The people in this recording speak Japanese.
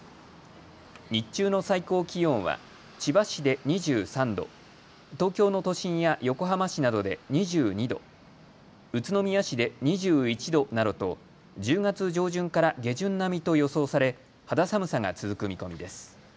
日中の最高気温は千葉市で２３度、東京の都心や横浜市などで２２度、宇都宮市で２１度などと１０月上旬から下旬並みと予想され、肌寒さが続く見込みです。